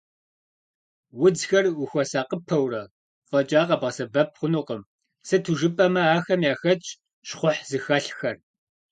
Удзхэр ухуэсакъыпэурэ фӏэкӏа къэбгъэсэбэп хъунукъым, сыту жыпӏэмэ, ахэм яхэтщ щхъухь зыхэлъхэр.